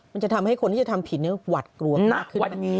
มันจะทำให้คนที่จะทำผิดหวัดกลัวมากขึ้น